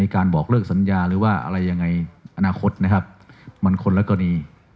การบอกเลิกสัญญาหรือว่าอะไรยังไงอนาคตนะครับมันคนละกรณี